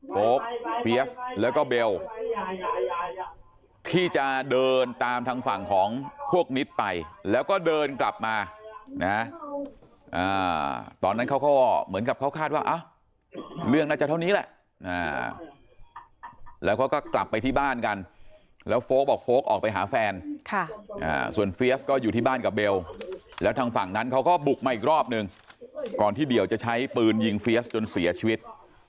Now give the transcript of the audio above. โก๊กเฟียสแล้วก็เบลที่จะเดินตามทางฝั่งของพวกนิดไปแล้วก็เดินกลับมานะตอนนั้นเขาก็เหมือนกับเขาคาดว่าเรื่องน่าจะเท่านี้แหละแล้วเขาก็กลับไปที่บ้านกันแล้วโฟลกบอกโฟลกออกไปหาแฟนส่วนเฟียสก็อยู่ที่บ้านกับเบลแล้วทางฝั่งนั้นเขาก็บุกมาอีกรอบนึงก่อนที่เดี่ยวจะใช้ปืนยิงเฟียสจนเสียชีวิต